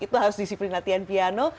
itu harus disiplin latihan piano